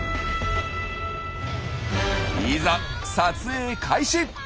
いざ撮影開始！